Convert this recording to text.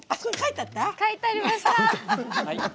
書いてありました。